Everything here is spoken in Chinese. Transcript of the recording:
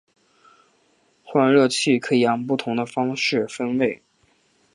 换热器可以按不同的方式分类。